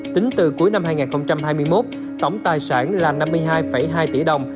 tính từ cuối năm hai nghìn hai mươi một tổng tài sản là năm mươi hai hai tỷ đồng